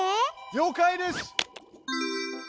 りょう解です！